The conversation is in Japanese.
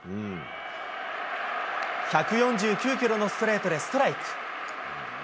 １４９キロのストレートでストライク。